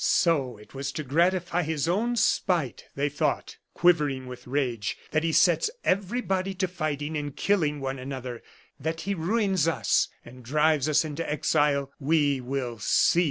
"So it was to gratify his own spite," they thought, quivering with rage, "that he sets everybody to fighting and killing one another that he ruins us, and drives us into exile. We will see."